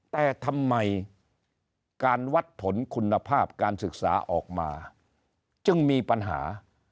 แต่ทำไมการวัดผลคุณภาพการศึกษาออกมาจึงมีปัญหา